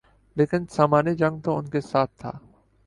لیکن سامان جنگ تو ان کے ساتھ تھا۔